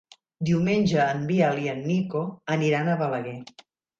Diumenge en Biel i en Nico aniran a Balaguer.